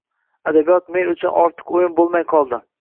Adabiyot men uchun ortiq o‘yin bo‘lmay qoldi